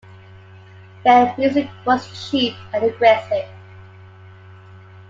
Their music was cheap and aggressive.